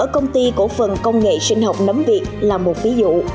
công ty cổ phần công nghệ sinh học nấm việt là một ví dụ